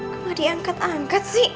gak diangkat angkat sih